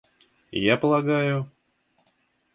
Я полагаю...